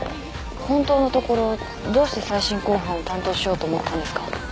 本当のところどうして再審公判を担当しようと思ったんですか。